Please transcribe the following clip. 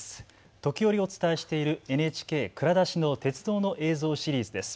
時折、お伝えしているＮＨＫ蔵出しの鉄道の映像シリーズです。